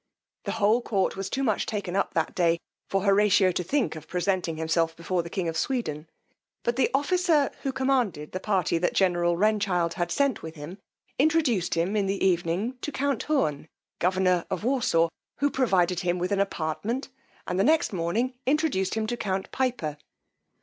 The whole court was too much taken up that day, for Horatio to think of presenting himself before the king of Sweden; but the officer, who commanded the party that general Renchild had sent with him, introduced him in the evening to count Hoorn, governor of Warsaw, who provided him an appartment, and the next morning introduced him to count Piper.